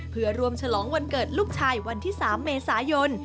เพื่อรวมฉลองวันเกิดลูกชายวันที่๓เมษายน